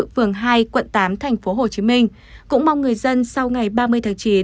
phường hai quận tám tp hcm cũng mong người dân sau ngày ba mươi tháng chín